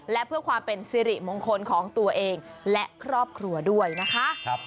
และเพื่อความเป็นสิริมงคลของตัวเองและครอบครัวด้วยนะคะ